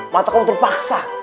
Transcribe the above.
mata kau terpaksa